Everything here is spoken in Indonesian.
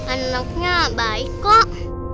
anaknya baik kok